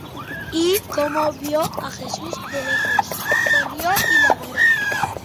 Y como vió á Jesús de lejos, corrió, y le adoró.